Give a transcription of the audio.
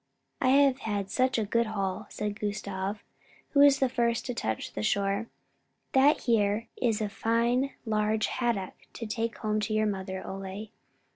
"I have had such a good haul," said Gustav, who was the first to touch the shore, "that here is a fine large haddock to take home to your mother, Ole."